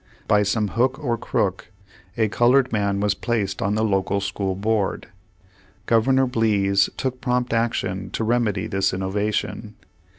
By some hook or crook a colored man was placed on the local school board. Governor Blease took prompt action to remedy this innovation.